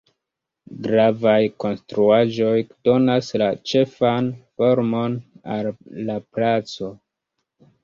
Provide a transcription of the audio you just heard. Gravaj konstruaĵoj donas la ĉefan formon al la placo.